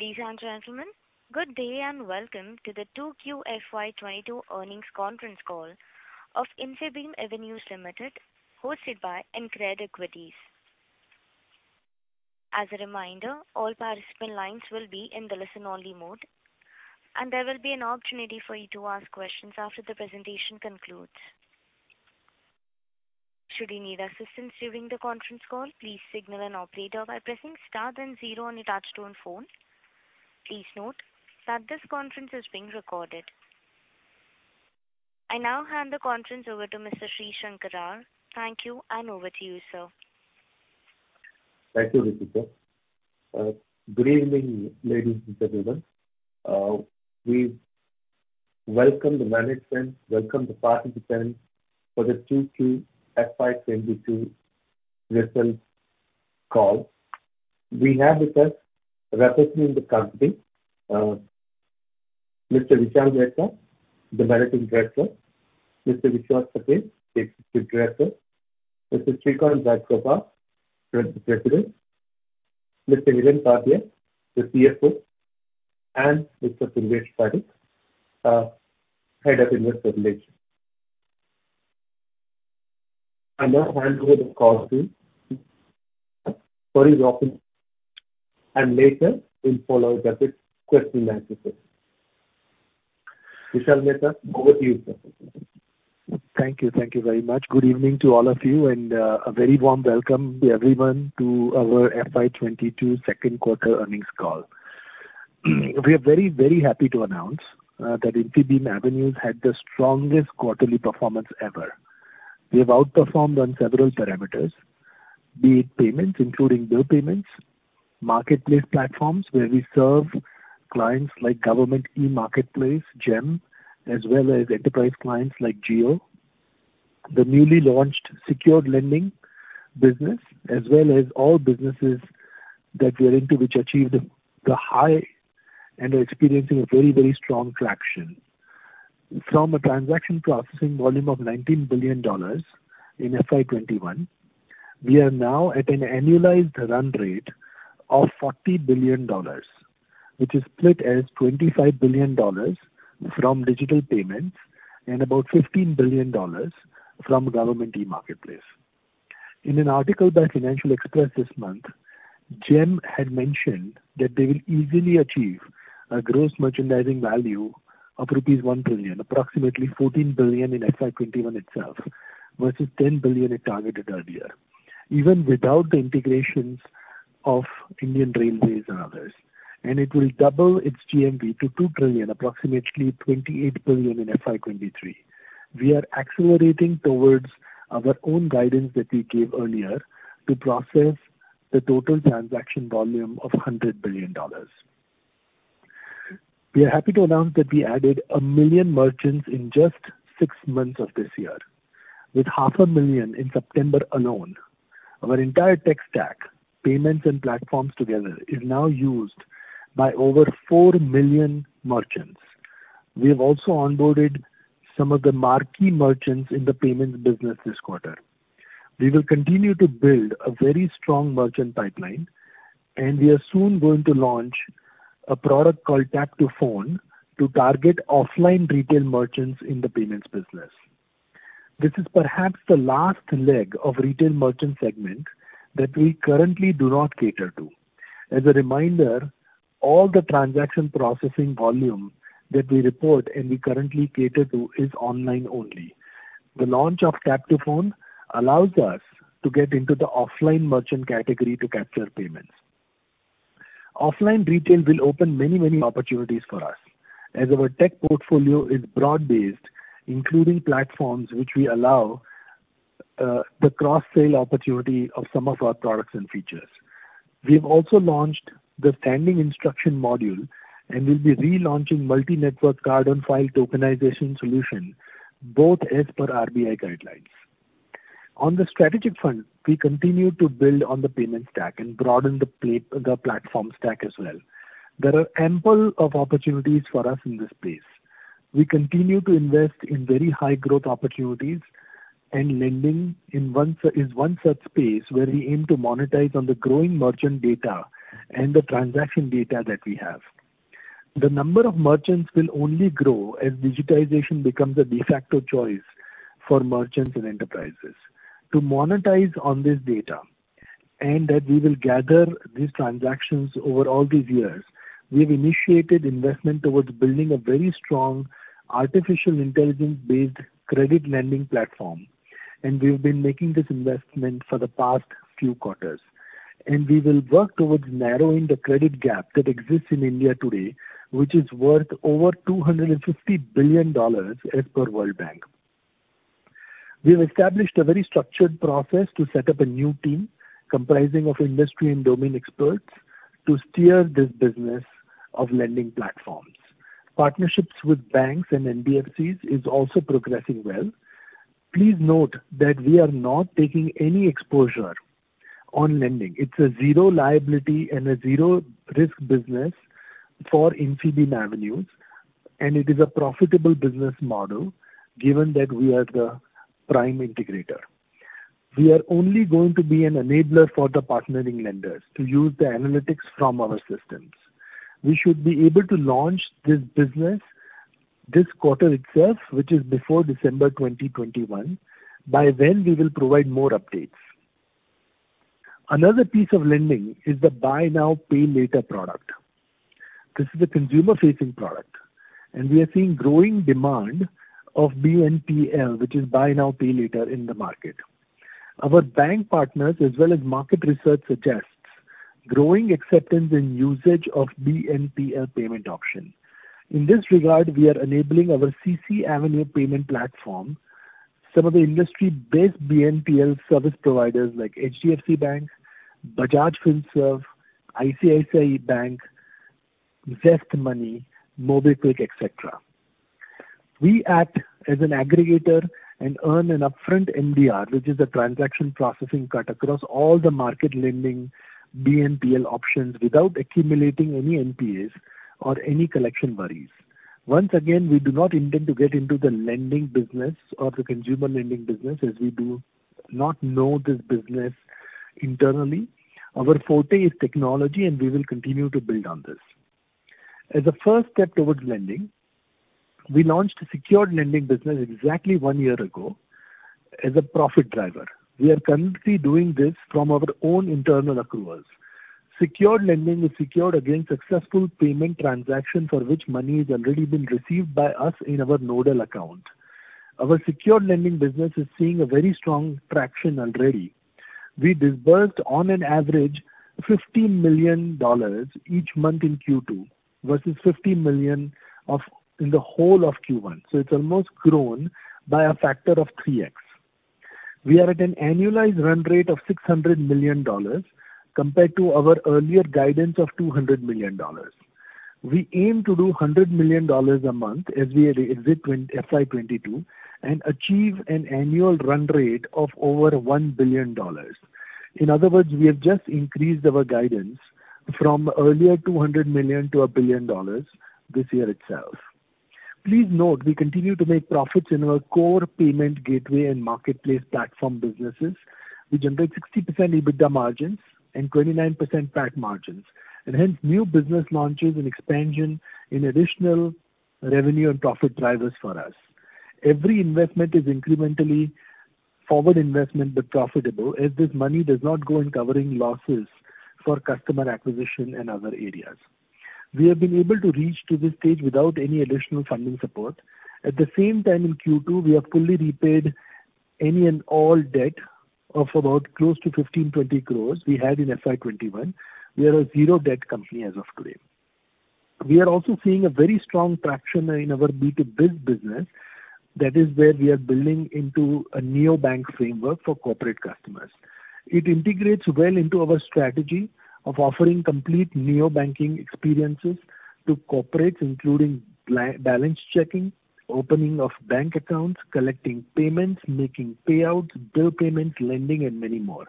Ladies and gentlemen, good day and welcome to the 2Q FY 2022 earnings conference call of Infibeam Avenues Limited, hosted by InCred Equities. As a reminder, all participant lines will be in the listen only mode, and there will be an opportunity for you to ask questions after the presentation concludes. Should you need assistance during the conference call, please signal an operator by pressing star then zero on your touchtone phone. Please note that this conference is being recorded. I now hand the conference over to Mr. Sreesankar R. Thank you and over to you, sir. Thank you, Ritika. Good evening, ladies and gentlemen. We welcome the management, welcome the participants for the 2Q FY 2022 results call. We have with us representatives from the company, Mr. Vishal Mehta, the Managing Director, Mr. Vishwas Patel, the Executive Director, Mr. Srikanth Rajagopalan, Group President, Mr. Hiren Padhya, the CFO, and Mr. Purvesh Parekh, Head of Investor Relations. I now hand over the call to Purvesh Parekh, and later we'll follow with a question and answer session. Vishal Mehta, over to you, sir. Thank you. Thank you very much. Good evening to all of you and, a very warm welcome to everyone to our FY 2022 second quarter earnings call. We are very, very happy to announce that Infibeam Avenues had the strongest quarterly performance ever. We have outperformed on several parameters, be it payments, including bill payments, marketplace platforms where we serve clients like government e-Marketplace, GeM, as well as enterprise clients like Jio. The newly launched secured lending business as well as all businesses that we are into which achieved the high and are experiencing a very, very strong traction. From a transaction processing volume of $19 billion in FY 2021, we are now at an annualized run rate of $40 billion, which is split as $25 billion from digital payments and about $15 billion from government e-Marketplace. In an article by Financial Express this month, GeM had mentioned that they will easily achieve a gross merchandising value of rupees 1 trillion, approximately $14 billion in FY 2021 itself versus $10 billion it targeted earlier, even without the integrations of Indian Railways and others. It will double its GMV to 2 trillion, approximately $28 billion in FY 2023. We are accelerating towards our own guidance that we gave earlier to process the total transaction volume of $100 billion. We are happy to announce that we added 1 million merchants in just 6 months of this year, with 500,000 in September alone. Our entire tech stack, payments and platforms together, is now used by over 4 million merchants. We have also onboarded some of the marquee merchants in the payments business this quarter. We will continue to build a very strong merchant pipeline, and we are soon going to launch a product called Tap to Phone to target offline retail merchants in the payments business. This is perhaps the last leg of retail merchant segment that we currently do not cater to. As a reminder, all the transaction processing volume that we report and we currently cater to is online only. The launch of Tap to Phone allows us to get into the offline merchant category to capture payments. Offline retail will open many, many opportunities for us as our tech portfolio is broad-based, including platforms which we allow, the cross-sale opportunity of some of our products and features. We've also launched the standing instruction module and will be relaunching multi-network card and file tokenization solution, both as per RBI guidelines. On the strategic front, we continue to build on the payment stack and broaden the platform stack as well. There are ample opportunities for us in this space. We continue to invest in very high growth opportunities, and lending is one such space where we aim to monetize the growing merchant data and the transaction data that we have. The number of merchants will only grow as digitization becomes a de facto choice for merchants and enterprises. To monetize this data and the data that we will gather from these transactions over all these years, we've initiated investment toward building a very strong artificial intelligence-based credit lending platform, and we've been making this investment for the past few quarters. We will work towards narrowing the credit gap that exists in India today, which is worth over $250 billion as per World Bank. We have established a very structured process to set up a new team comprising of industry and domain experts to steer this business of lending platforms. Partnerships with banks and NBFCs is also progressing well. Please note that we are not taking any exposure on lending. It's a zero liability and a zero risk business for Infibeam Avenues, and it is a profitable business model given that we are the prime integrator. We are only going to be an enabler for the partnering lenders to use the analytics from our systems. We should be able to launch this business this quarter itself, which is before December 2021. By then, we will provide more updates. Another piece of lending is the buy now, pay later product. This is a consumer-facing product, and we are seeing growing demand of BNPL, which is buy now, pay later in the market. Our bank partners as well as market research suggests growing acceptance in usage of BNPL payment options. In this regard, we are enabling our CCAvenue payment platform, some of the industry-based BNPL service providers like HDFC Bank, Bajaj Finserv, ICICI Bank, ZestMoney, MobiKwik, et cetera. We act as an aggregator and earn an upfront MDR, which is a transaction processing cut across all the market lending BNPL options without accumulating any NPAs or any collection worries. Once again, we do not intend to get into the lending business or the consumer lending business, as we do not know this business internally. Our forte is technology, and we will continue to build on this. As a first step towards lending, we launched a secured lending business exactly one year ago as a profit driver. We are currently doing this from our own internal accruals. Secured lending is secured against successful payment transaction for which money has already been received by us in our nodal account. Our secured lending business is seeing a very strong traction already. We disbursed on average $50 million each month in Q2 versus $50 million in the whole of Q1, so it's almost grown by a factor of 3x. We are at an annualized run rate of $600 million compared to our earlier guidance of $200 million. We aim to do $100 million a month as we exit FY 2022 and achieve an annual run rate of over $1 billion. In other words, we have just increased our guidance from earlier $200 million to $1 billion this year itself. Please note we continue to make profits in our core payment gateway and marketplace platform businesses. We generate 60% EBITDA margins and 29% PAT margins, and hence new business launches and expansion in additional revenue and profit drivers for us. Every investment is incrementally forward investment but profitable, as this money does not go in covering losses for customer acquisition and other areas. We have been able to reach to this stage without any additional funding support. At the same time, in Q2, we have fully repaid any and all debt of about close to 15 crore-20 crore we had in FY 2021. We are a zero-debt company as of today. We are also seeing a very strong traction in our B2B business. That is where we are building into a neobank framework for corporate customers. It integrates well into our strategy of offering complete neobanking experiences to corporates, including balance checking, opening of bank accounts, collecting payments, making payouts, bill payments, lending, and many more.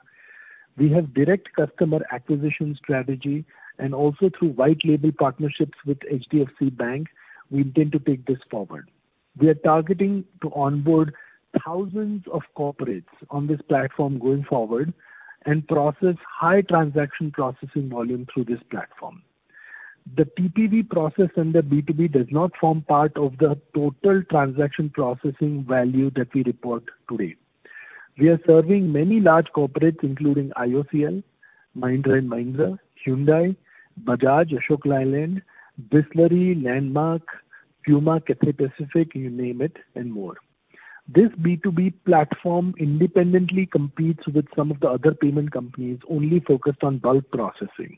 We have direct customer acquisition strategy and also through white label partnerships with HDFC Bank, we intend to take this forward. We are targeting to onboard thousands of corporates on this platform going forward and process high transaction processing volume through this platform. The TPV process under B2B does not form part of the total transaction processing value that we report today. We are serving many large corporates, including IOCL, Mahindra & Mahindra, Hyundai, Bajaj, Ashok Leyland, Bisleri, Landmark, PUMA, Cathay Pacific, you name it, and more. This B2B platform independently competes with some of the other payment companies only focused on bulk processing.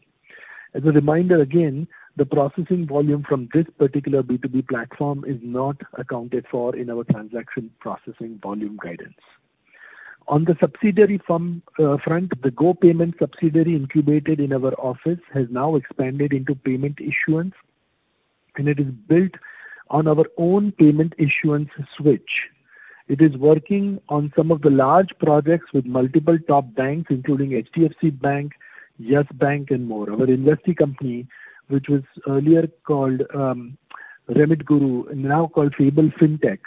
As a reminder again, the processing volume from this particular B2B platform is not accounted for in our transaction processing volume guidance. On the subsidiary front, the GoPayment subsidiary incubated in our office has now expanded into payment issuance, and it is built on our own payment issuance switch. It is working on some of the large projects with multiple top banks, including HDFC Bank, Yes Bank, and more. Our investee company, which was earlier called RemitGuru and now called Fable Fintech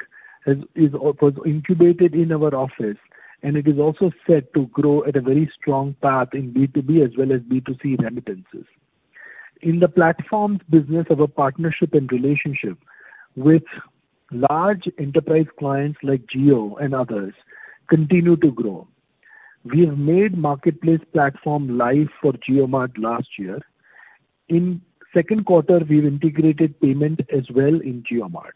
was incubated in our office, and it is also set to grow at a very strong path in B2B as well as B2C remittances. In the platforms business of a partnership and relationship with large enterprise clients like Jio and others continue to grow. We have made marketplace platform live for JioMart last year. In second quarter, we've integrated payment as well in JioMart.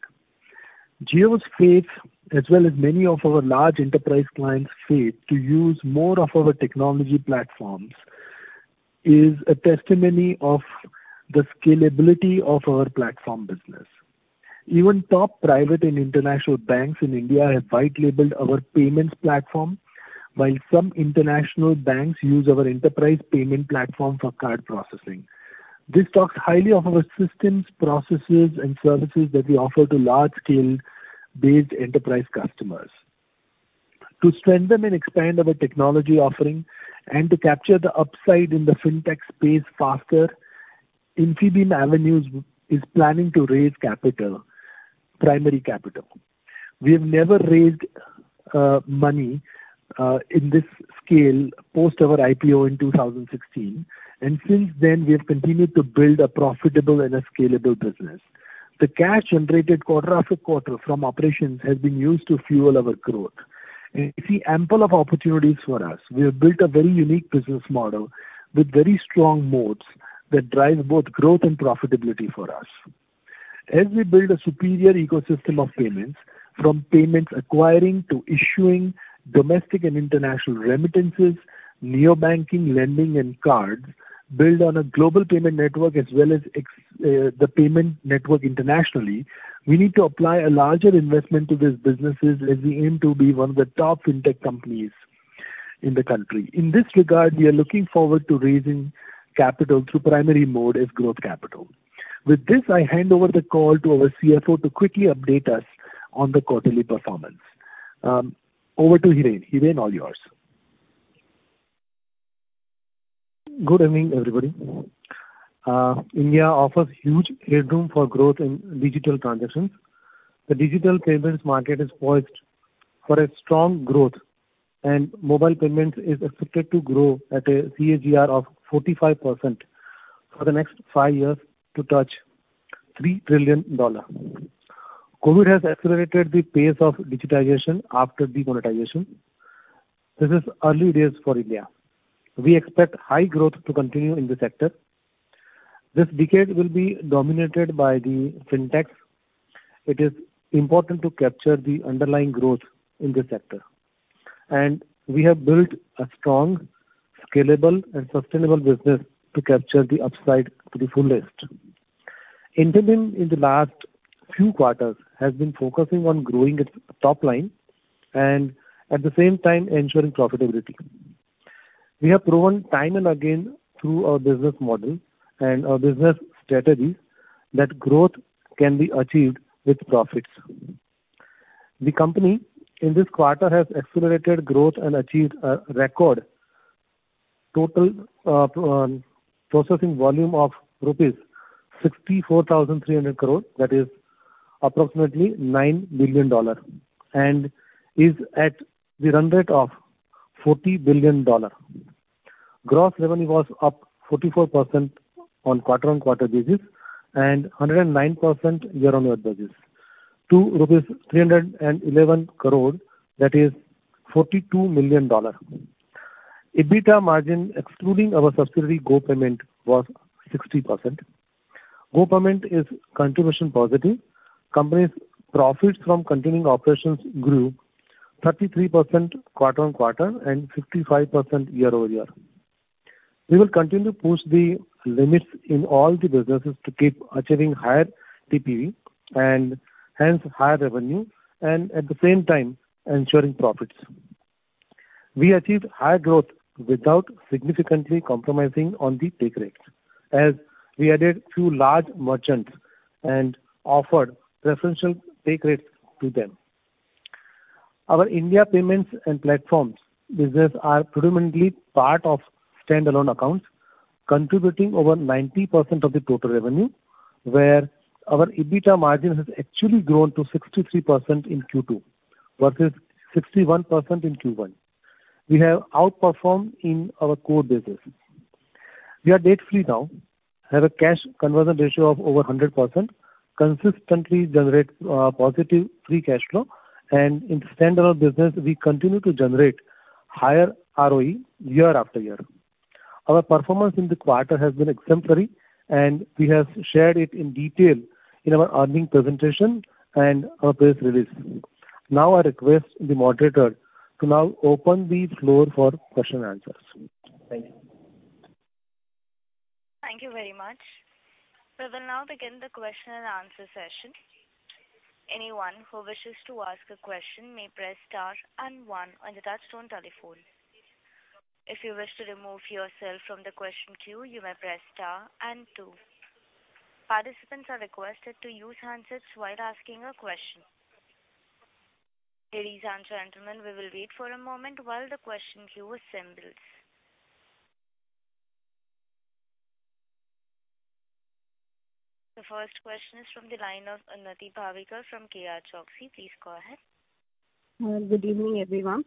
Jio's faith as well as many of our large enterprise clients' faith to use more of our technology platforms is a testimony of the scalability of our platform business. Even top private and international banks in India have white-labeled our payments platform, while some international banks use our enterprise payment platform for card processing. This speaks highly of our systems, processes and services that we offer to large-scale-based enterprise customers. To strengthen and expand our technology offering and to capture the upside in the fintech space faster, Infibeam Avenues is planning to raise capital, primary capital. We have never raised money in this scale post our IPO in 2016, and since then, we have continued to build a profitable and a scalable business. The cash generated quarter after quarter from operations has been used to fuel our growth. We see ample of opportunities for us. We have built a very unique business model with very strong moats that drive both growth and profitability for us. As we build a superior ecosystem of payments, from payments acquiring to issuing domestic and international remittances, neo banking, lending and cards build on a global payment network as well as the payment network internationally. We need to apply a larger investment to these businesses as we aim to be one of the top fintech companies in the country. In this regard, we are looking forward to raising capital through primary mode as growth capital. With this, I hand over the call to our CFO to quickly update us on the quarterly performance. Over to Hiren. Hiren, all yours. Good evening, everybody. India offers huge headroom for growth in digital transactions. The digital payments market is poised for a strong growth, and mobile payments is expected to grow at a CAGR of 45% for the next five years to touch $3 trillion. COVID has accelerated the pace of digitization after the demonetization. This is early days for India. We expect high growth to continue in this sector. This decade will be dominated by the fintechs. It is important to capture the underlying growth in this sector, and we have built a strong, scalable and sustainable business to capture the upside to the fullest. Infibeam in the last few quarters has been focusing on growing its top line and at the same time ensuring profitability. We have proven time and again through our business model and our business strategies that growth can be achieved with profits. The company in this quarter has accelerated growth and achieved a record total processing volume of rupees 64,300 crore, that is approximately $9 billion and is at the run rate of $40 billion. Gross revenue was up 44% on quarter-over-quarter basis and 109% year-over-year basis to rupees 311 crore, that is $42 million. EBITDA margin excluding our subsidiary Go Payments was 60%. Go Payments is contribution positive. Company's profits from continuing operations grew 33% quarter-over-quarter and 55% year-over-year. We will continue to push the limits in all the businesses to keep achieving higher TPV and hence higher revenue and at the same time ensuring profits. We achieved higher growth without significantly compromising on the take rates as we added few large merchants and offered preferential take rates to them. Our India payments and platforms business are predominantly part of standalone accounts, contributing over 90% of the total revenue, where our EBITDA margin has actually grown to 63% in Q2 versus 61% in Q1. We have outperformed in our core business. We are debt free now, have a cash conversion ratio of over 100%, consistently generate positive free cash flow and in standalone business we continue to generate higher ROE year after year. Our performance in the quarter has been exemplary and we have shared it in detail in our earnings presentation and our press release. Now I request the moderator to now open the floor for question and answers. Thank you. Thank you very much. We will now begin the question and answer session. Anyone who wishes to ask a question may press star and one on the touchtone telephone. If you wish to remove yourself from the question queue, you may press star and two. Participants are requested to use handsets while asking a question. Ladies and gentlemen, we will wait for a moment while the question queue assembles. The first question is from the line of Unnati Bhavekar from KRChoksey. Please go ahead. Good evening, everyone.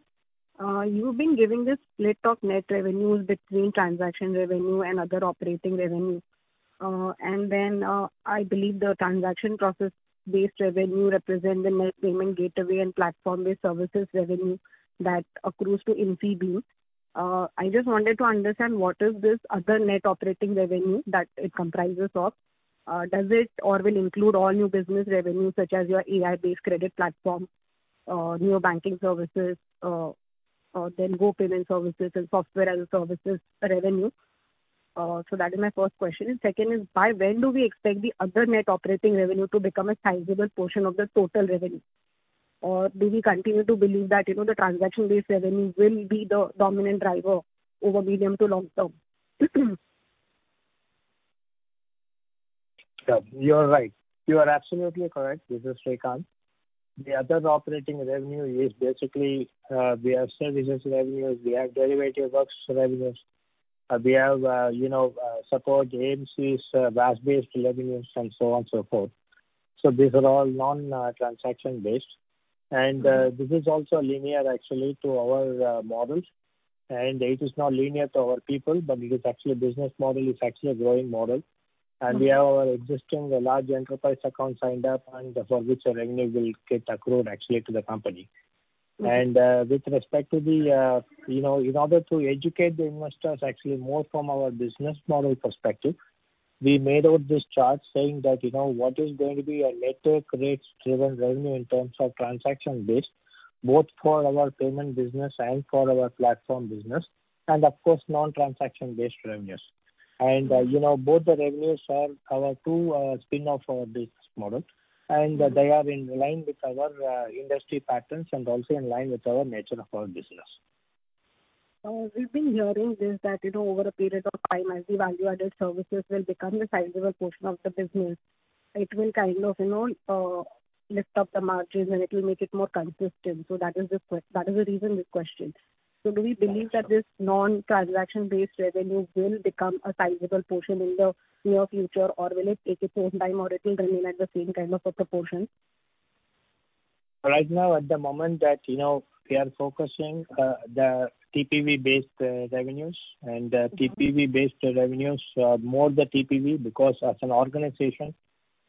You've been giving this split of net revenues between transaction revenue and other operating revenue. I believe the transaction process-based revenue represent the net payment gateway and platform-based services revenue that accrues to Infibeam. I just wanted to understand what is this other net operating revenue that it comprises of? Does it or will include all new business revenue such as your AI-based credit platform, neo banking services, then GoPayment services and software as a services revenue? That is my first question. Second is, by when do we expect the other net operating revenue to become a sizable portion of the total revenue? Or do we continue to believe that, you know, the transaction-based revenue will be the dominant driver over medium to long term? Yeah, you are right. You are absolutely correct with this, Srikanth. The other operating revenue is basically, we have services revenues, we have derivative works revenues, we have, you know, support AMCs, VAS-based revenues, and so on and so forth. These are all non-transaction based. This is also linear actually to our models, and it is not linear to our people, but it is actually business model. It's actually a growing model. We have our existing large enterprise accounts signed up, and for which the revenue will get accrued actually to the company. With respect to the you know, in order to educate the investors actually more from our business model perspective, we made out this chart saying that, you know, what is going to be our net take rates driven revenue in terms of transaction based, both for our payment business and for our platform business, and of course, non-transaction based revenues. Both the revenues are our two spin-off business models, and they are in line with our industry patterns and also in line with our nature of our business. We've been hearing this, that, you know, over a period of time as the value-added services will become a sizable portion of the business, it will kind of, you know, lift up the margins and it will make it more consistent. That is the reason we question. Do we believe that this non-transaction-based revenue will become a sizable portion in the near future or will it take its own time or it will remain at the same kind of a proportion? Right now, at the moment, you know, we are focusing on the TPV-based revenues more on the TPV because as an organization,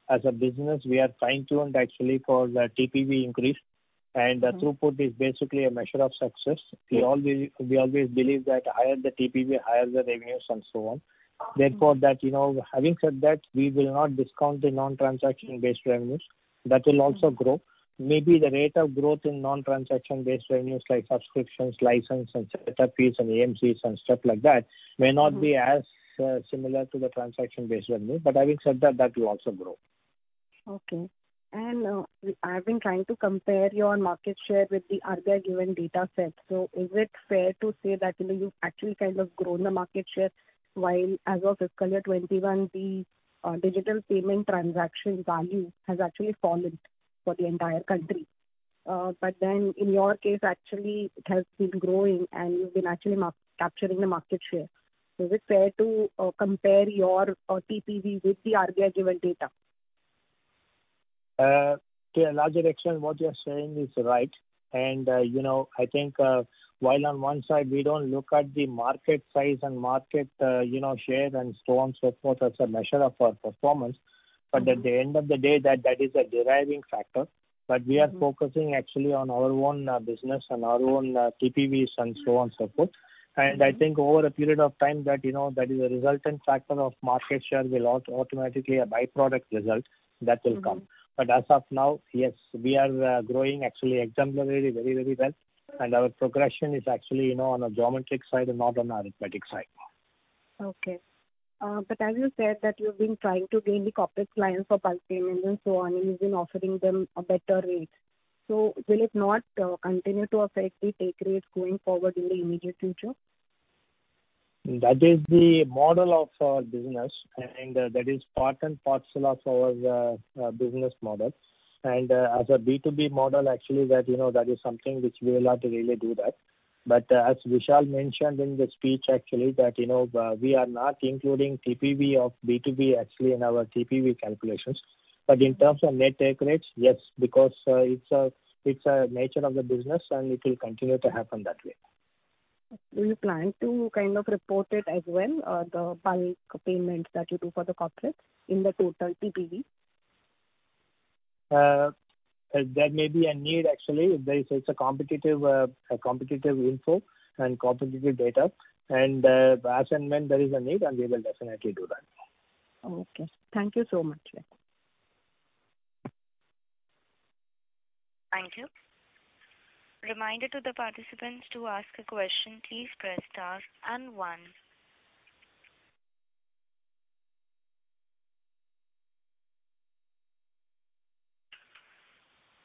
as a business, we are fine-tuned actually for the TPV increase and the throughput is basically a measure of success. We always believe that higher the TPV, higher the revenues and so on. Therefore, you know, having said that, we will not discount the non-transaction-based revenues. That will also grow. Maybe the rate of growth in non-transaction-based revenues like subscriptions, license and setup fees and AMCs and stuff like that may not be as similar to the transaction-based revenue. But having said that will also grow. Okay. I've been trying to compare your market share with the RBI-given data set. Is it fair to say that, you know, you've actually kind of grown the market share while, as of fiscal year 2021, the digital payment transaction value has actually fallen for the entire country. But then in your case actually it has been growing and you've been actually capturing the market share. Is it fair to compare your TPV with the RBI-given data? To a large extent what you are saying is right. You know, I think while on one side we don't look at the market size and market share and so on and so forth as a measure of our performance. At the end of the day that is a driving factor. We are focusing actually on our own business and our own TPVs and so on, so forth. I think over a period of time that you know that is a resultant factor of market share will automatically a byproduct result that will come. As of now, yes, we are growing actually exemplarily very, very well, and our progression is actually you know on a geometric side and not on arithmetic side. Okay. As you said that you've been trying to gain the corporate clients for bulk payments and so on, and you've been offering them a better rate. Will it not continue to affect the take rates going forward in the immediate future? That is the model of our business and that is part and parcel of our business model. As a B2B model, actually that, you know, that is something which we will have to really do that. As Vishal mentioned in the speech actually that, you know, we are not including TPV of B2B actually in our TPV calculations. In terms of net take rates, yes, because it's a nature of the business and it will continue to happen that way. Do you plan to kind of report it as well, the bulk payments that you do for the corporate in the total TPV? That may be a need actually. It's a competitive info and competitive data, and as and when there is a need, we will definitely do that. Okay. Thank you so much. Thank you. Reminder to the participants to ask a question, please press star and one.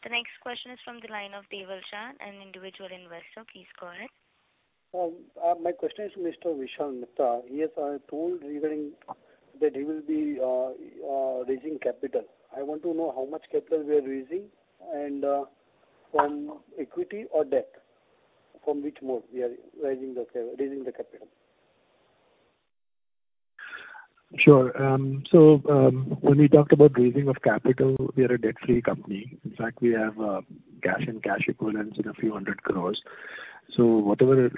The next question is from the line of Deval Shah, an individual investor. Please go ahead. My question is to Mr. Vishal Mehta. He has told regarding that he will be raising capital. I want to know how much capital we are raising and from equity or debt, from which mode we are raising the capital? Sure. When we talked about raising of capital, we are a debt-free company. In fact, we have cash and cash equivalents in INR a few hundred crores. Whatever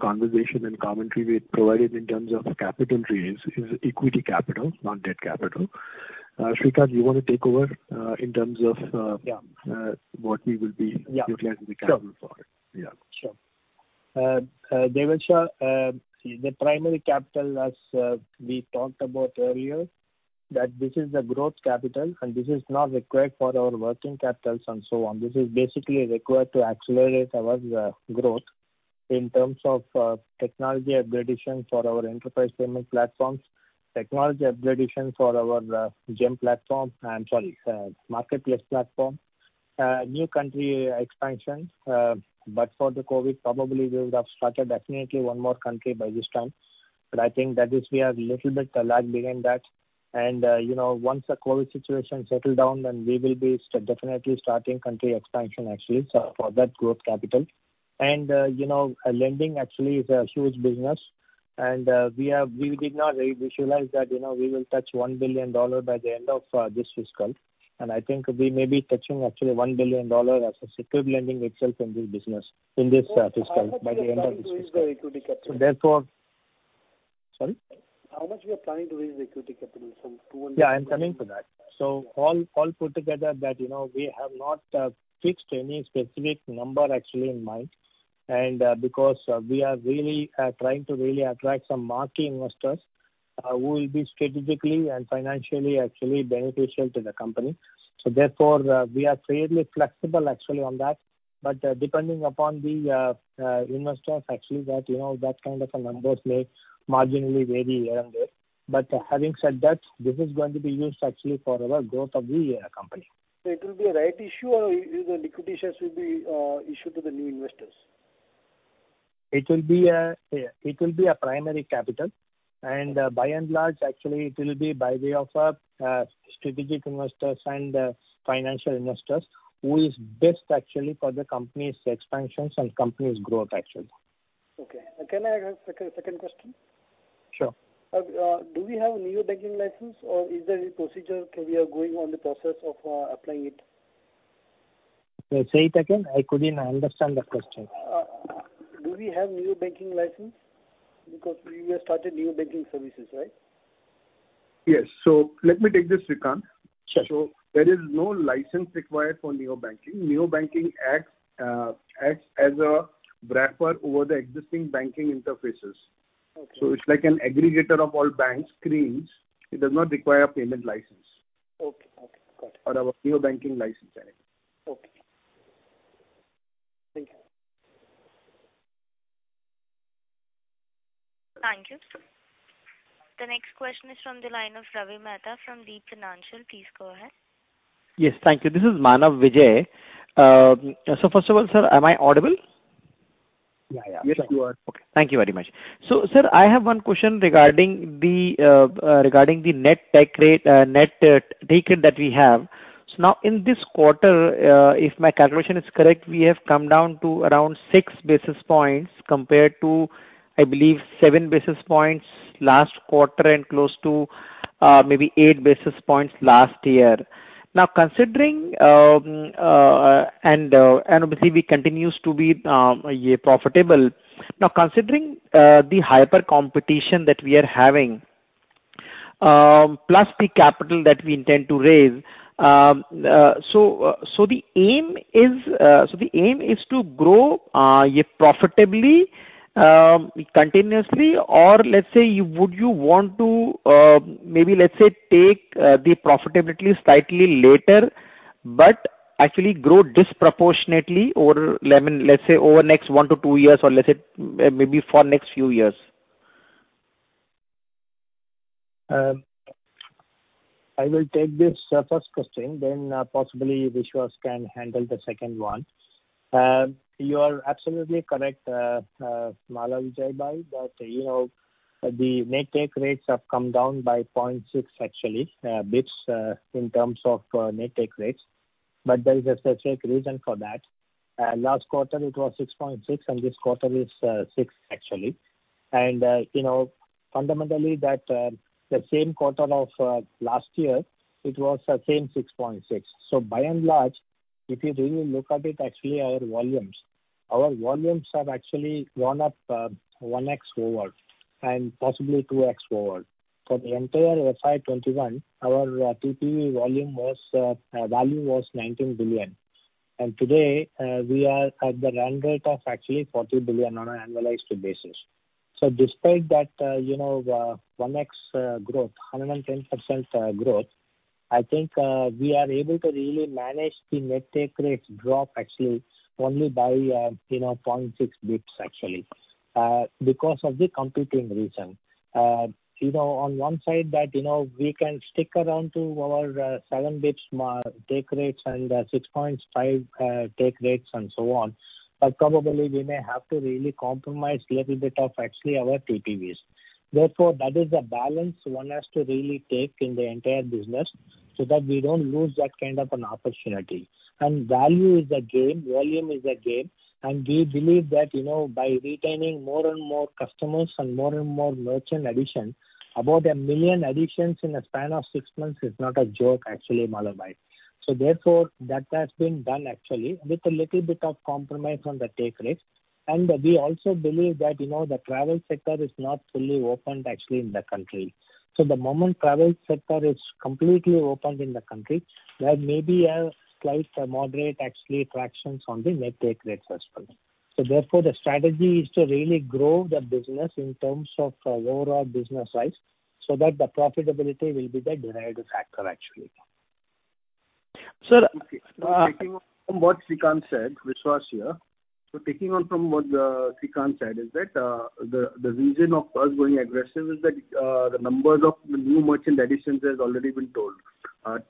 conversation and commentary we had provided in terms of capital raise is equity capital, not debt capital. Srikanth, you wanna take over in terms of Yeah. what we will be utilizing the capital for? Yeah. Sure. Yeah. Sure. Deval Shah, see, the primary capital, as we talked about earlier, that this is the growth capital and this is not required for our working capitals and so on. This is basically required to accelerate our growth in terms of technology upgradation for our enterprise payment platforms, technology upgradation for our GeM platform. I'm sorry, marketplace platform. New country expansion, but for the COVID, probably we would have started definitely one more country by this time. But I think that is we are little bit lag behind that. You know, once the COVID situation settle down, then we will be definitely starting country expansion actually, so for that growth capital. You know, lending actually is a huge business. We did not visualize that, you know, we will touch $1 billion by the end of this fiscal. I think we may be touching actually $1 billion as a secure lending itself in this business, in this fiscal, by the end of this fiscal. How much you are planning to raise the equity capital? Sorry? How much you are planning to raise the equity capital from 200 million- Yeah, I'm coming to that. All put together that, you know, we have not fixed any specific number actually in mind. Because we are really trying to really attract some marquee investors who will be strategically and financially actually beneficial to the company. Therefore we are fairly flexible actually on that. Depending upon the investors actually that, you know, that kind of a numbers may marginally vary here and there. Having said that, this is going to be used actually for our growth of the company. It will be a rights issue or is the liquid issues will be issued to the new investors? It will be a primary capital. By and large, actually it will be by way of strategic investors and financial investors who is best actually for the company's expansions and company's growth actually. Okay. Can I ask second question? Sure. Do we have neobanking license or is there any procedure we are going on the process of applying it? Say it again. I couldn't understand the question. Do we have neobanking license? Because we have started neobanking services, right? Yes. Let me take this, Srikanth. Sure. There is no license required for neobanking. Neobanking acts as a wrapper over the existing banking interfaces. Okay. It's like an aggregator of all banks' screens. It does not require a payment license. Okay. Okay. Got it. a neobanking license, I mean. Okay. Thank you. Thank you. The next question is from the line of Ravi Mehta from Deep Financial. Please go ahead. Yes, thank you. This is Manav Vijay. First of all, sir, am I audible? Yeah, yeah. Yes, you are. Okay. Thank you very much. Sir, I have one question regarding the net take rate that we have. Now in this quarter, if my calculation is correct, we have come down to around six basis points compared to, I believe, seven basis points last quarter and close to maybe eight basis points last year. Now, considering and obviously we continues to be yeah profitable. Now, considering the hyper competition that we are having, plus the capital that we intend to raise, the aim is to grow yeah profitably continuously? Let's say you would want to maybe let's say take the profitability slightly later, but actually grow disproportionately over, I mean, let's say over next 1-2 years, or let's say maybe for next few years? I will take this first question, then possibly Vishwas can handle the second one. You are absolutely correct, Manav Vijay, that, you know, the net take rates have come down by 0.6 actually bps in terms of net take rates. There is a specific reason for that. Last quarter it was 6.6%, and this quarter is 6% actually. You know, fundamentally that the same quarter of last year, it was same 6.6%. By and large, if you really look at it, actually our volumes have actually gone up 1x forward and possibly 2x forward. For the entire FY 2021, our TPV value was $19 billion. Today, we are at the run rate of actually $40 billion on an annualized basis. Despite that, you know, 1x growth, 110% growth, I think, we are able to really manage the net take rates drop actually only by, you know, 0.6 basis points actually, because of the competing reason. You know, on one side that, you know, we can stick to our 7 basis points take rates and 6.5 take rates and so on. But probably we may have to really compromise little bit of actually our TPVs. Therefore that is a balance one has to really take in the entire business so that we don't lose that kind of an opportunity. Value is the game, volume is the game, and we believe that, you know, by retaining more and more customers and more and more merchant addition, about 1 million additions in a span of 6 months is not a joke actually, Manav. That has been done actually with a little bit of compromise on the take rates. We also believe that, you know, the travel sector is not fully opened actually in the country. The moment travel sector is completely opened in the country, there may be a slight or moderate actually traction on the net take rates as well. The strategy is to really grow the business in terms of overall business size, so that the profitability will be the derived factor actually. Sir. From what Srikanth said, Vishwas here. Taking on from what Srikanth said is that the reason of us going aggressive is that the numbers of the new merchant additions has already been told.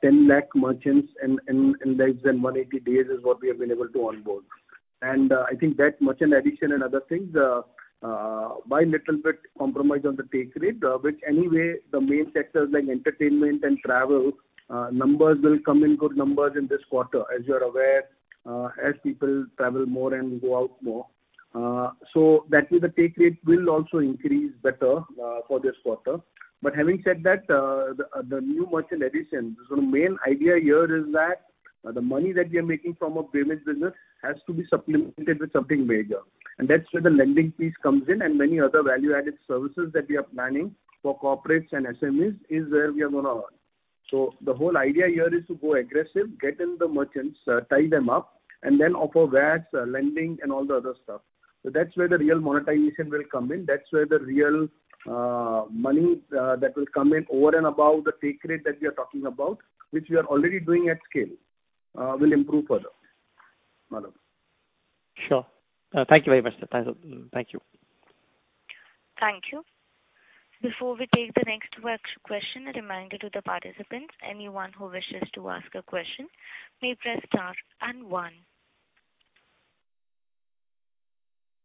10 lakh merchants in less than 180 days is what we have been able to onboard. I think that merchant addition and other things by little bit compromise on the take rate, which anyway the main sectors like entertainment and travel numbers will come in good numbers in this quarter, as you're aware, as people travel more and go out more. So that way the take rate will also increase better for this quarter. Having said that, the new merchant additions, the main idea here is that the money that we are making from a payment business has to be supplemented with something bigger. That's where the lending piece comes in and many other value-added services that we are planning for corporates and SMEs is where we are gonna earn. The whole idea here is to go aggressive, get in the merchants, tie them up, and then offer VAS, lending and all the other stuff. That's where the real monetization will come in. That's where the real money that will come in over and above the take rate that we are talking about, which we are already doing at scale, will improve further. Manav. Sure. Thank you very much, sir. Thank you. Thank you. Before we take the next question, a reminder to the participants, anyone who wishes to ask a question may press star and one.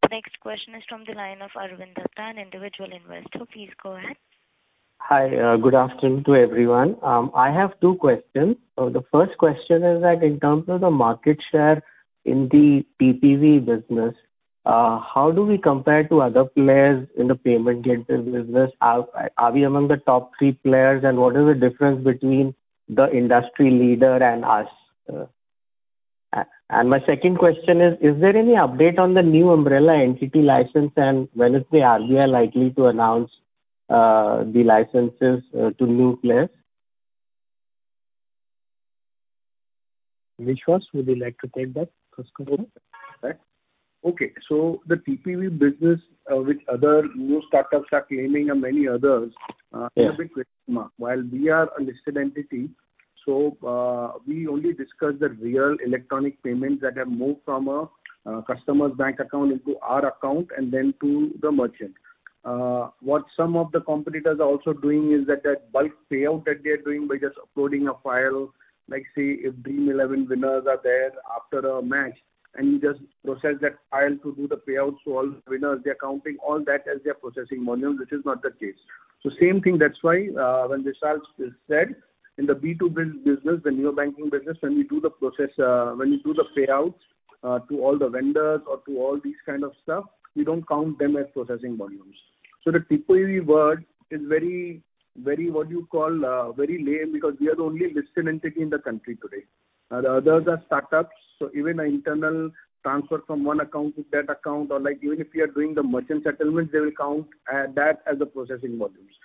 The next question is from the line of Arvind Datta, an individual investor. Please go ahead. Hi. Good afternoon to everyone. I have two questions. The first question is that in terms of the market share in the TPV business, how do we compare to other players in the payment gateway business? Are we among the top three players? What is the difference between the industry leader and us? My second question is: Is there any update on the new umbrella entity license and when is the RBI likely to announce the licenses to new players? Vishwas would you like to take that first go? Right. Okay. The TPV business, which other new start-ups are claiming and many others, is a bit question mark. While we are a listed entity, we only discuss the real electronic payments that have moved from a customer's bank account into our account and then to the merchant. What some of the competitors are also doing is that bulk payout that they're doing by just uploading a file, like, say, if Dream11 winners are there after a match, and you just process that file to do the payouts to all the winners, they're counting all that as their processing volume, which is not the case. Same thing, that's why, when Vishal said in the B2B business, the new banking business, when we do the process, when we do the payouts, to all the vendors or to all these kind of stuff, we don't count them as processing volumes. The TPV word is very, very, what you call, very lame because we are the only listed entity in the country today. The others are start-ups, so even an internal transfer from one account to that account or like even if we are doing the merchant settlement, they will count, that as the processing volumes.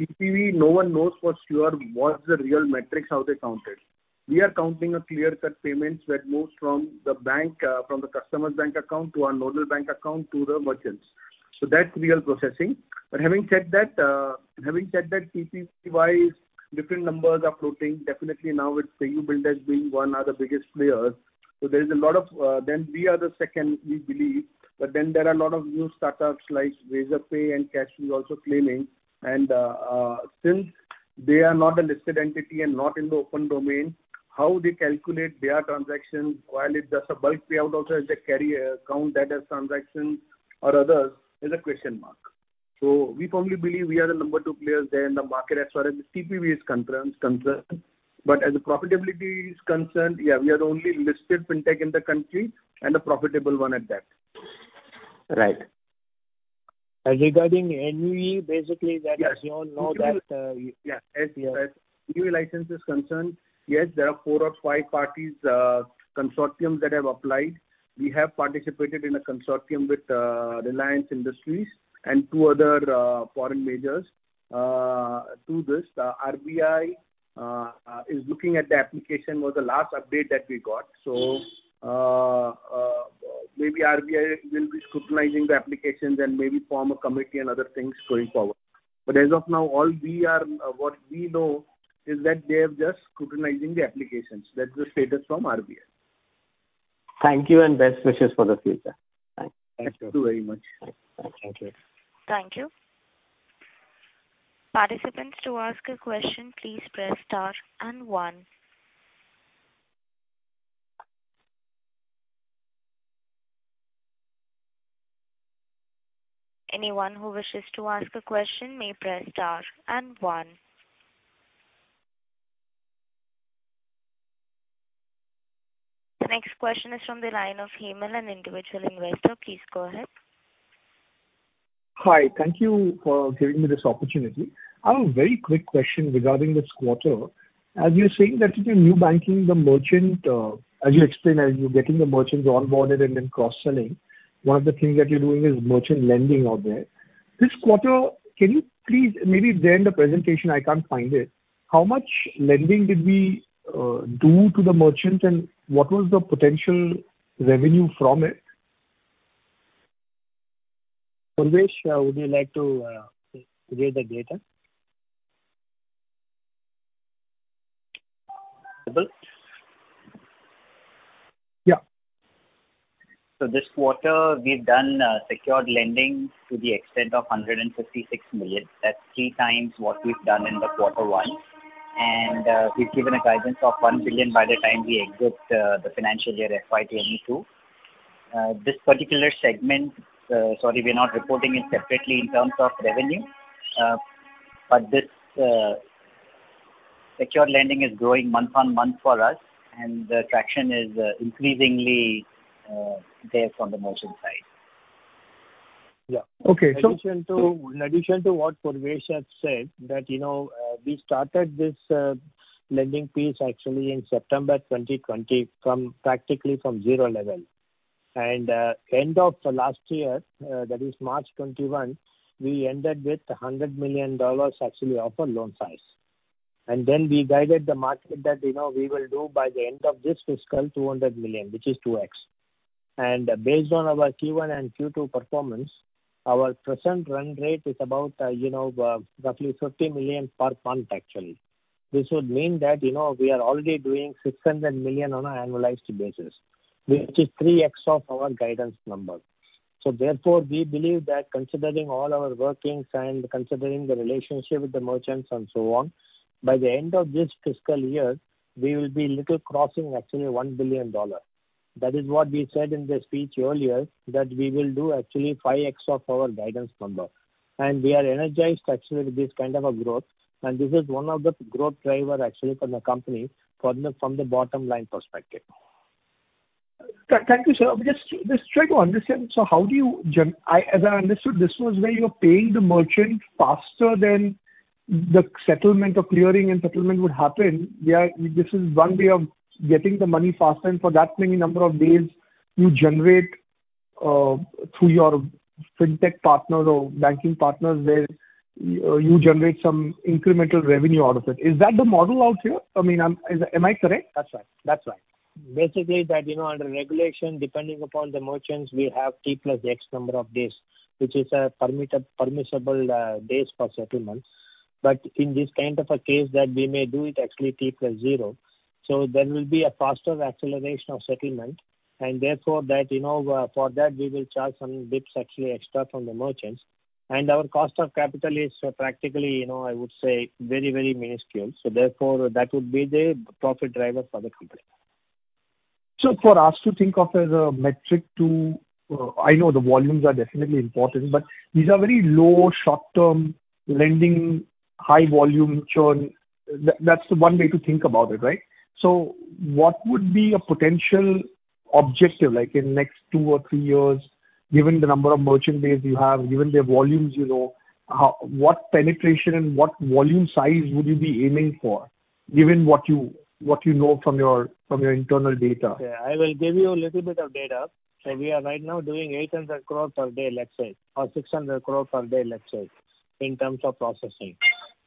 TPV, no one knows for sure what's the real metrics, how they count it. We are counting a clear-cut payments that moves from the bank, from the customer's bank account to our nodal bank account to the merchants. That's real processing. Having said that, TPV-wise, different numbers are floating. Definitely now with PayU BillDesk being one of the biggest players. We are the second, we believe. There are a lot of new startups like Razorpay and Cashfree also claiming. Since they are not a listed entity and not in the open domain, how they calculate their transactions, while it's just a bulk payout also as a carrier count that as transactions or others is a question mark. We firmly believe we are the number two players there in the market as far as the TPV is concerned. As the profitability is concerned, yeah, we are only listed fintech in the country and a profitable one at that. Right. Regarding NUE, basically that is, you all know that, as NUE license is concerned, yes, there are four or five parties, consortium that have applied. We have participated in a consortium with, Reliance Industries and two other, foreign majors. To this, the RBI is looking at the application. That was the last update that we got. Maybe RBI will be scrutinizing the applications and maybe form a committee and other things going forward. But as of now, all we know is that they are just scrutinizing the applications. That's the status from RBI. Thank you and best wishes for the future. Thanks. Thank you very much. Thank you. The next question is from the line of Hemal, an individual investor. Please go ahead. Hi. Thank you for giving me this opportunity. I have a very quick question regarding this quarter. As you're saying that in your new banking, the merchant, as you explained, as you're getting the merchants onboarded and then cross-selling, one of the things that you're doing is merchant lending out there. This quarter, can you please, maybe it's there in the presentation, I can't find it. How much lending did we do to the merchants and what was the potential revenue from it? Purvesh, would you like to read the data? This quarter, we've done secured lending to the extent of 156 million. That's 3x what we've done in the quarter one. We've given a guidance of 1 billion by the time we exit the financial year FY 2022. This particular segment, sorry, we're not reporting it separately in terms of revenue. But this secured lending is growing month-on-month for us, and the traction is increasingly there from the merchant side. Yeah. Okay. In addition to what Purvesh has said, that, you know, we started this lending piece actually in September 2020 from, practically from zero level. End of the last year, that is March 2021, we ended with $100 million actually of a loan size. Then we guided the market that, you know, we will do by the end of this fiscal $200 million, which is 2x. Based on our Q1 and Q2 performance, our present run rate is about, you know, roughly $50 million per month, actually. This would mean that, you know, we are already doing $600 million on an annualized basis, which is 3x of our guidance number. Therefore, we believe that considering all our workings and considering the relationship with the merchants and so on, by the end of this fiscal year, we will be little crossing actually $1 billion. That is what we said in the speech earlier, that we will do actually 5x of our guidance number. We are energized actually with this kind of a growth, and this is one of the growth driver actually for the company from the, from the bottom line perspective. Thank you, sir. I'm just trying to understand. As I understood, this was where you're paying the merchant faster than the settlement or clearing and settlement would happen, where this is one way of getting the money faster, and for that many number of days you generate through your fintech partner or banking partners where you generate some incremental revenue out of it. Is that the model out here? I mean, is it? Am I correct? That's right. Basically that, you know, under regulation, depending upon the merchants, we have T plus X number of days, which is permitted, permissible days for settlement. In this kind of a case that we may do it actually T plus zero, so there will be a faster acceleration of settlement and therefore that, you know, for that we will charge some bits actually extra from the merchants. Our cost of capital is practically, you know, I would say very, very minuscule. Therefore that would be the profit driver for the company. For us to think of as a metric to, I know the volumes are definitely important, but these are very low short-term lending, high volume churn. That's one way to think about it, right? What would be a potential objective, like in next two or three years, given the number of merchant base you have, given their volumes, you know, what penetration and what volume size would you be aiming for, given what you know from your internal data? Yeah. I will give you a little bit of data. We are right now doing 800 crore per day, let's say, or 600 crore per day, let's say, in terms of processing.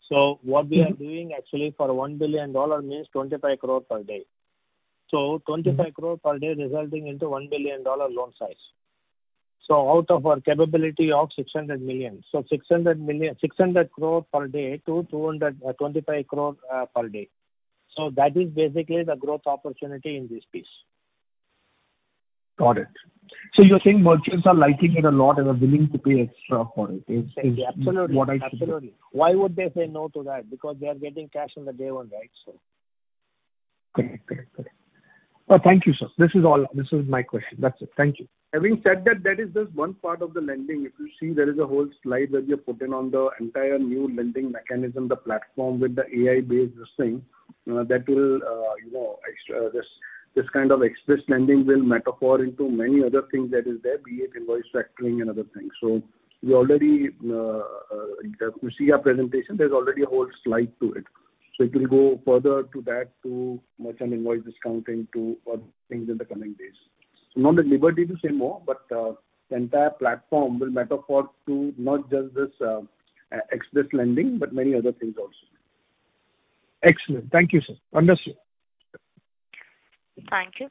What we are doing actually for $1 billion means 25 crore per day. 25 crore per day resulting into $1 billion loan size. Out of our capability of 600 million. 600 million, 600 crore per day to 225 crore per day. That is basically the growth opportunity in this piece. Got it. You're saying merchants are liking it a lot and are willing to pay extra for it. Is Absolutely. Is what I hear. Absolutely. Why would they say no to that? Because they are getting cash on the day one, right? So. Correct. Thank you, sir. This is all. This is my question. That's it. Thank you. Having said that is just one part of the lending. If you see, there is a whole slide that we have put in on the entire new lending mechanism, the platform with the AI-based this thing, that will, you know, this kind of express lending will morph into many other things that is there, be it invoice factoring and other things. We already, if you see our presentation, there's already a whole slide to it. It will go further to that, to merchant invoice discounting, to other things in the coming days. Not at liberty to say more, but, the entire platform will morph to not just this, express lending, but many other things also. Excellent. Thank you, sir. Understood. Thank you.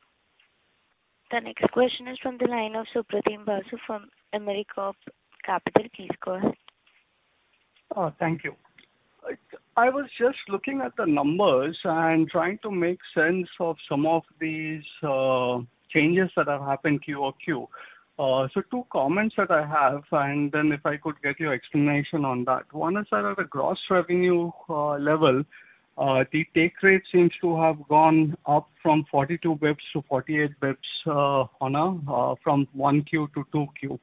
The next question is from the line of Supratim Basu from Americorp Capital. Please go ahead. Thank you. I was just looking at the numbers and trying to make sense of some of these changes that have happened quarter-over-quarter. Two comments that I have, and then if I could get your explanation on that. One is that at the gross revenue level, the take rate seems to have gone up from 42 bps to 48 bps on a from Q1 to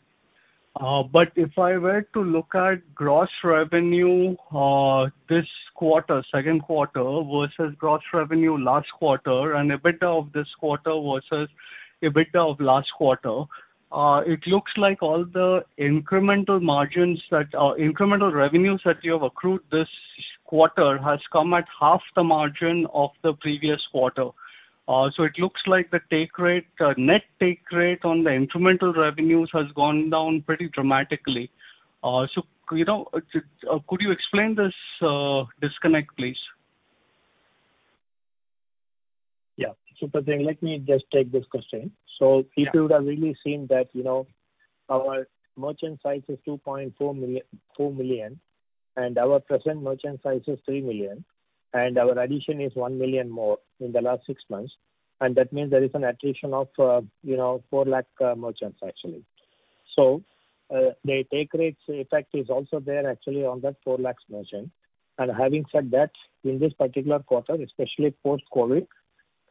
Q2. If I were to look at gross revenue this quarter, second quarter, versus gross revenue last quarter and EBITDA of this quarter versus EBITDA of last quarter, it looks like all the incremental revenues that you have accrued this quarter has come at half the margin of the previous quarter. It looks like the take rate, net take rate on the incremental revenues has gone down pretty dramatically. You know, could you explain this disconnect, please? Yeah. Supratim, let me just take this question. Yeah. If you would have really seen that, our merchant size is 2.4 million, and our present merchant size is 3 million, and our addition is 1 million more in the last 6 months. That means there is an attrition of 4 lakh merchants actually. The take rates effect is also there actually on that 4 lakh merchants. Having said that, in this particular quarter, especially post-COVID,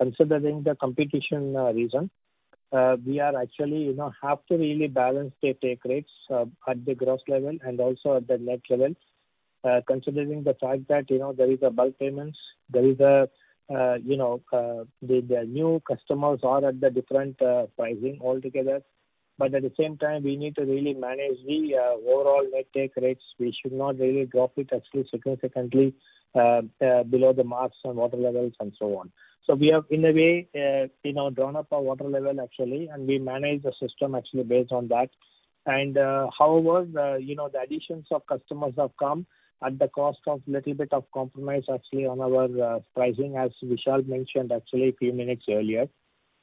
considering the competition reason, we are actually have to really balance the take rates at the gross level and also at the net level, considering the fact that there is a bulk payments, there is the new customers are at the different pricing altogether. At the same time we need to really manage the overall net take rates. We should not really drop it actually significantly below the marks on water levels and so on. We have in a way, you know, drawn up our water level actually, and we manage the system actually based on that. However, the additions of customers have come at the cost of little bit of compromise actually on our pricing, as Vishal mentioned actually a few minutes earlier.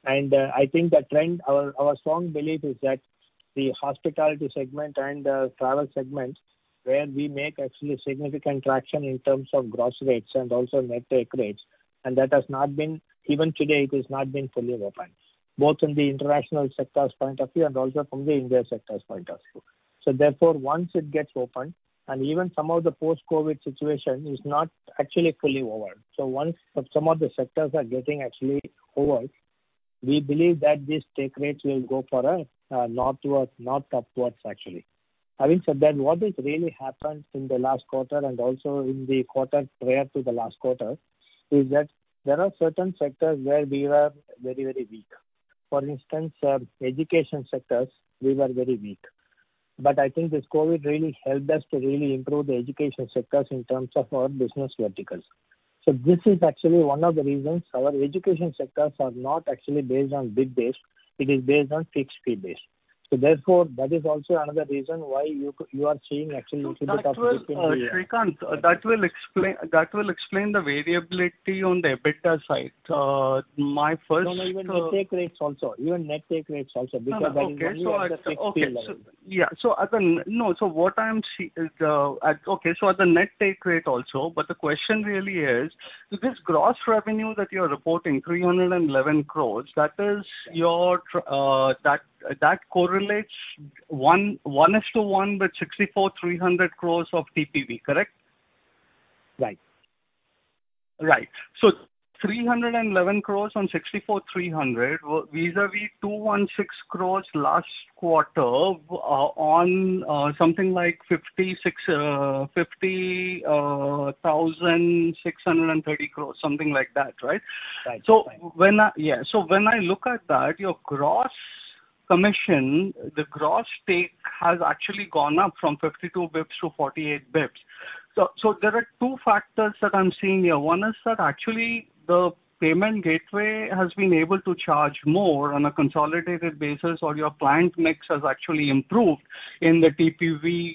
I think the trend, our strong belief is that the hospitality segment and the travel segment, where we make actually significant traction in terms of gross rates and also net take rates, and that has not been. Even today, it has not been fully opened, both in the international sector's point of view and also from the Indian sector's point of view. Therefore once it gets opened, and even some of the post-COVID situation is not actually fully over. Once some of the sectors are getting actually over, we believe that these take rates will go northwards, upwards actually. Having said that, what is really happened in the last quarter and also in the quarter prior to the last quarter, is that there are certain sectors where we were very, very weak. For instance, education sector, we were very weak. But I think this COVID really helped us to really improve the education sector in terms of our business verticals. This is actually one of the reasons our education sector is not actually based on B2B-based. It is based on fixed fee base. Therefore, that is also another reason why you are seeing actually. That will, Srikanth, explain the variability on the EBITDA side. My first, No, no, even the take rates also. Even net take rates also, because that is only on the fixed fee level. No. Okay. At the net take rate also, but the question really is, does this gross revenue that you're reporting, 311 crore, that correlates one-to-one with 64,300 crore of TPV, correct? Right. Right. 311 crore on 64,300 crore vis-à-vis 216 crore last quarter on something like 56,630 crore, something like that, right? Right. When I look at that, your gross commission, the gross take has actually gone up from 52 bps to 48 bps. There are two factors that I'm seeing here. One is that actually the payment gateway has been able to charge more on a consolidated basis or your client mix has actually improved in the TPV.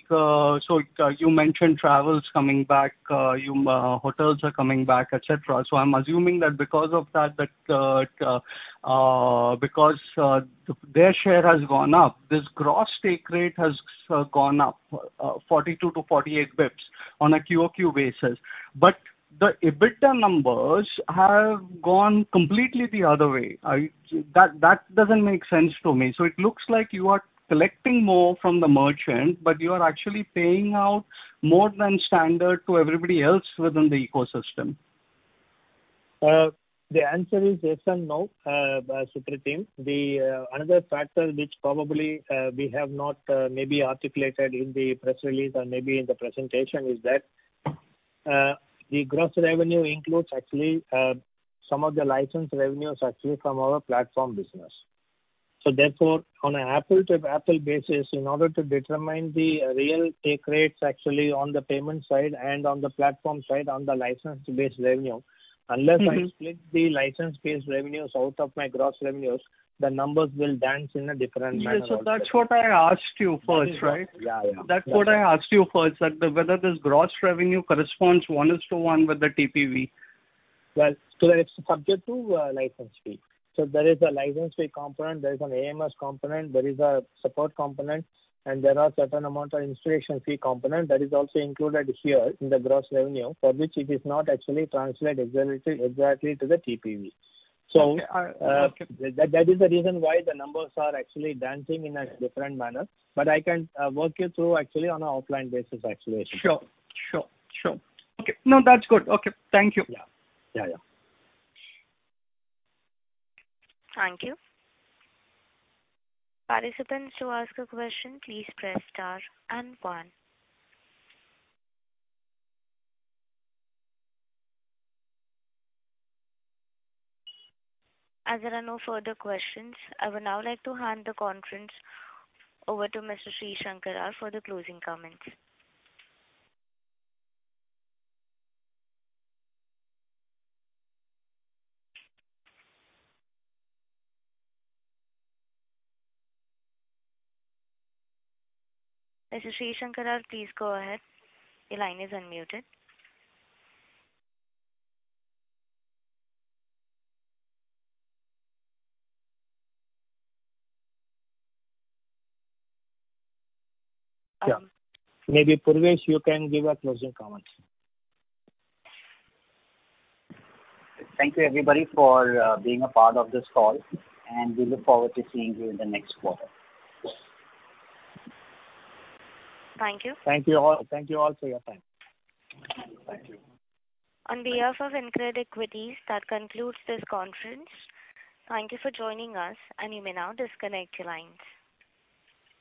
You mentioned travels coming back, hotels are coming back, et cetera. I'm assuming that because of that, because their share has gone up, this gross take rate has gone up 42-48 bps on a QoQ basis. But the EBITDA numbers have gone completely the other way. That doesn't make sense to me. It looks like you are collecting more from the merchant, but you are actually paying out more than standard to everybody else within the ecosystem. The answer is yes and no, Supratim. Another factor which probably we have not maybe articulated in the press release or maybe in the presentation is that the gross revenue includes actually some of the license revenues actually from our platform business. So therefore, on an apple to apple basis, in order to determine the real take rates actually on the payment side and on the platform side on the license-based revenue. Unless I split the license-based revenues out of my gross revenues, the numbers will dance in a different manner also. Yeah. That's what I asked you first, right? Yeah, yeah. That's what I asked you first, that whether this gross revenue corresponds one-to-one with the TPV. That it's subject to a license fee. There is a license fee component, there is an AMS component, there is a support component, and there are certain amount of installation fee component that is also included here in the gross revenue, for which it is not actually translate exactly to the TPV. Okay. Okay. That is the reason why the numbers are actually dancing in a different manner. I can walk you through actually on an offline basis actually. Sure. Okay. No, that's good. Okay. Thank you. Yeah. Yeah, yeah. Thank you. Participants, to ask a question, please press star and one. As there are no further questions, I would now like to hand the conference over to Mr. Sreesankar R for the closing comments. Mr. Sreesankar, please go ahead. Your line is unmuted. Yeah. Maybe Purvesh, you can give a closing comments. Thank you, everybody, for being a part of this call, and we look forward to seeing you in the next quarter. Thank you. Thank you all. Thank you all for your time. Thank you. On behalf of InCred Equities, that concludes this conference. Thank you for joining us, and you may now disconnect your lines.